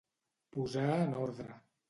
Posar en ordre.